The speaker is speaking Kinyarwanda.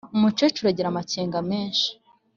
umukecuru agira amakenga menshi